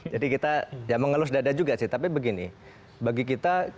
jadi kita ya mengelus dada juga sih tapi begini bagi kita